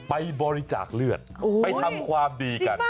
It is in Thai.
ไปบริจาคเลือดไปตามความดี